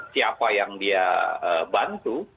siapa yang dia bantu